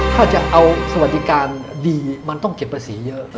ถ้าจะเอาสวัสดิการดีมันต้องเก็บภาษีเยอะ